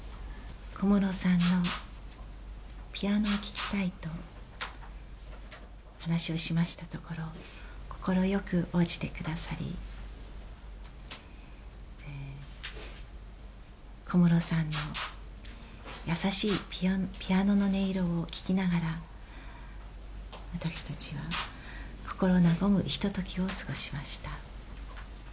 小室さんのピアノを聴きたいと話をしましたところ、快く応じてくださり、小室さんの優しいピアノの音色を聴きながら、私たちは心和むひとときを過ごしました。